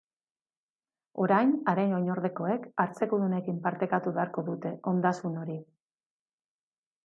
Orain, haren oinordekoek hartzekodunekin partekatu beharko dute ondasun hori.